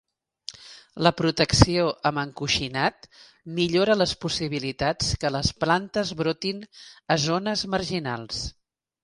La protecció amb encoixinat millora les possibilitats que les plantes brotin a zones marginals.